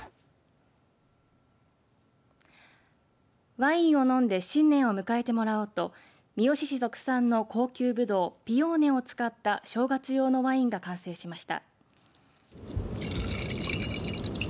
ワインを飲んで新年を迎えてもらおうと三次市特産の高級ぶどうピオーネを使った正月用のワインが完成しました。